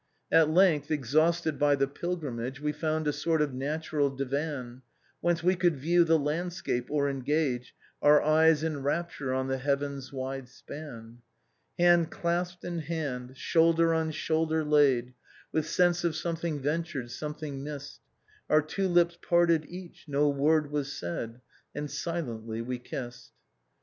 313 "At length, exhausted by the pilgrimage, We found a sort of natural divan, Whence wc could view the landscape, or engage Our eyes in rapture on the heaven's wide span. " Hand clasped in hand, shoulder on shoulder laid, With sense of something ventured, something misBed, Our two lips parted, each ; no word was said, And silently we kissed.